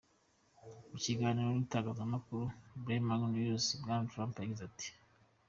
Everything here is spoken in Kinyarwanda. Mu kiganiro n'igitangazamakuru Bloomberg News, Bwana Trump yagize ati:.